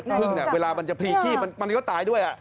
พึ่งเวลามันจะพรีชีมันก็ตายด้วย